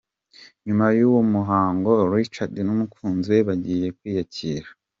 Nyuma y'uwo muhango Richard n'umukunzi we bagiye kwiyakira.